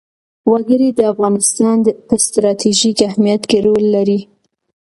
وګړي د افغانستان په ستراتیژیک اهمیت کې رول لري.